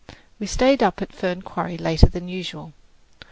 We had stayed up at Fern Quarry later than usual.